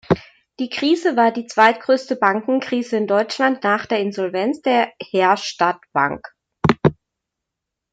Die Krise war die zweitgrößte Bankenkrise in Deutschland nach der Insolvenz der Herstatt-Bank.